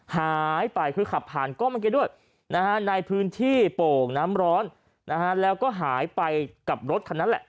หายไปคือขับผ่านกล้องเมื่อกี้ด้วยในพื้นที่โป่งน้ำร้อนแล้วก็หายไปกับรถคันนั้นแหละ